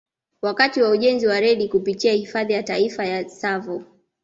Wakati wa ujenzi wa reli kupitia Hifadhi ya Taifa ya Tsavo